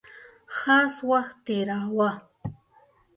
خاص وخت تېراوه.